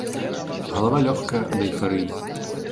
Галава лёгкая ад эйфарыі.